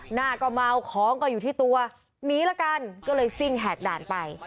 หน้าก็เมาของก็อยู่ที่ตัวหนีละกันก็เลยซิ่งแหกด่านไป